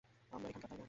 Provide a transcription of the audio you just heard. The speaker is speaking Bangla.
আমরা এখানকার, তাই না?